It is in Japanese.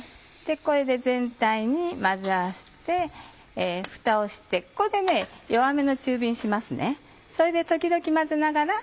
これで全体に混ぜ合わせてふたをしてここで弱めの中火にしますね。